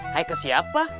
hai ke siapa